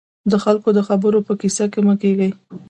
د خلکو د خبرو په کيسه کې مه کېږئ.